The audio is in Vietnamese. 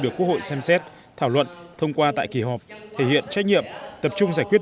được quốc hội xem xét thảo luận thông qua tại kỳ họp thể hiện trách nhiệm tập trung giải quyết